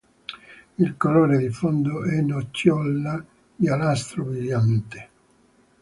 Il colore di fondo è nocciola-giallastro brillante.